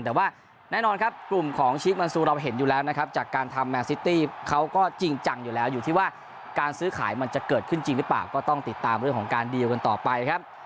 แต่ว่าแน่นอนครับกลุ่มของชิคมันซูเราเห็นอยู่แล้วนะครับจากการทำแมนซิตี้เขาก็จริงจังอยู่แล้วอยู่ที่ว่าการซื้อขายมันจะเกิดขึ้นจริงหรือเปล่าก็ต้องติดตามเรื่องของการดีลกันต่อไปครับ